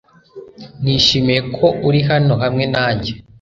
Nishimiye ko uri hano hamwe nanjye .